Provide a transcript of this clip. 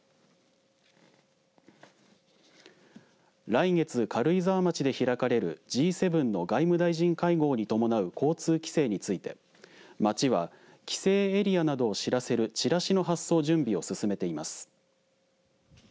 来月、軽井沢町で開かれるＧ７の外務大臣会合に伴う交通規制について町は規制エリアなどを知らせるチラシの発送準備を進めています。